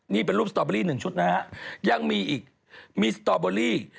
นี่เป็นรูปสตอเบอรี่หนึ่งชุดนะฮะยังมีอีกมีสตอเบอรี่